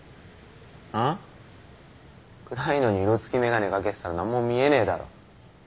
あ？暗いのに色つき眼鏡掛けてたら何も見えねえだろ。